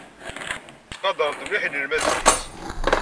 Ttqadaren-t mliḥ inelmaden-is.